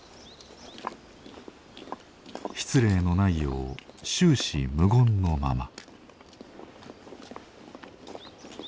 失礼のないよう終始無言のまま。